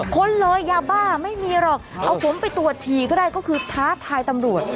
ค้นเลยยาบ้าไม่มีหรอกเอาผมไปตรวจฉี่ก็ได้ก็คือท้าทายตำรวจ